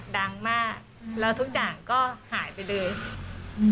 ดังมากแล้วทุกอย่างก็หายไปเลยอืม